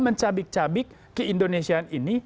mencabik cabik keindonesiaan ini